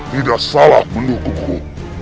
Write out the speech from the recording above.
tidak salah mendukungku